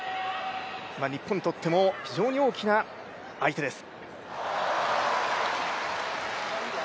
日本にとっても非常に大きな相手です。